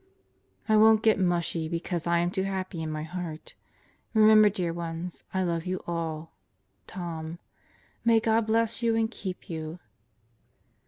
I won't get mushy because I am too happy in my heart. Remember dear ones, I love you all. Tom May God bless you and keep you!